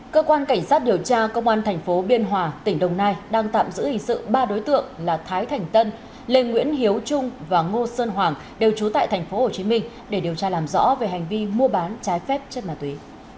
cơ quan cảnh sát điều tra công an thành phố biên hòa tỉnh đồng nai đang tạm giữ hình sự ba đối tượng là thái thành tân lê nguyễn hiếu trung và ngô sơn hoàng đều trú tại tp hcm để điều tra làm rõ về hành vi mua bán trái phép chất ma túy